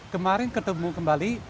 kemarin ketemu kembali